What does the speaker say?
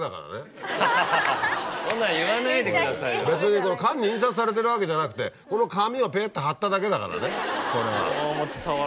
別に缶に印刷されてるわけじゃなくてこの紙をペッて貼っただけだからねこれは。